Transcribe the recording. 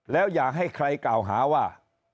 แล้วอย่าให้ใครกล่าวหาว่า